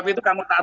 masih ada tuh saya